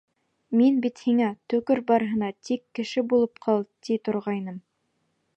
Мин бит һиңә: төкөр барыһына, тик кеше булып ҡал, ти торғайным.